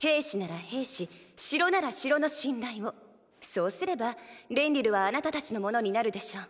そうすればレンリルはあなたたちのものになるでしょう。